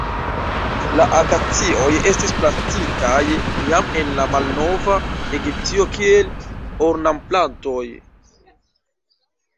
La akacioj estis plantitaj jam en la malnova Egiptio kiel ornamplantoj.